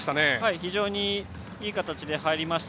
非常にいい形で入りました。